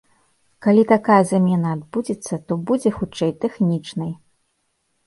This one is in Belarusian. Калі такая замена адбудзецца, то будзе хутчэй тэхнічнай.